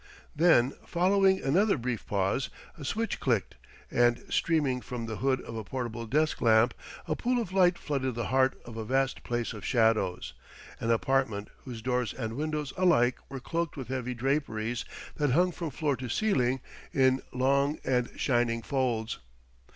Then, following another brief pause, a switch clicked; and streaming from the hood of a portable desk lamp, a pool of light flooded the heart of a vast place of shadows, an apartment whose doors and windows alike were cloaked with heavy draperies that hung from floor to ceiling in long and shining folds.